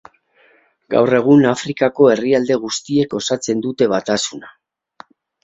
Gaur egun Afrikako herrialde guztiek osatzen dute Batasuna.